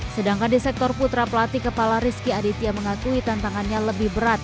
sedangkan di sektor putra pelatih kepala rizky aditya mengakui tantangannya lebih berat